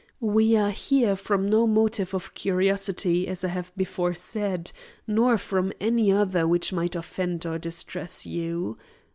We are here from no motive of curiosity, as I have before said, nor from any other which might offend or distress you.